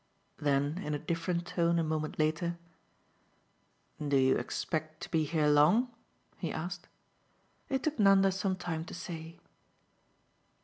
Then in a different tone a moment later, "Do you expect to be here long?" he asked. It took Nanda some time to say.